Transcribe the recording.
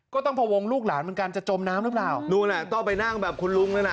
ก็ต้องพวงลูกหลานเหมือนกันจะจมน้ำหรือเปล่านู่นน่ะต้องไปนั่งแบบคุณลุงนั่นน่ะ